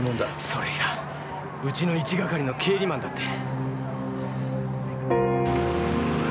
それがうちの１係の経理マンだって。